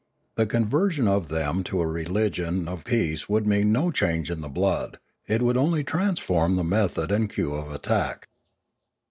The conversion of them to a religion of peace would mean no change in the blood; it would only transform the method and cue of attack.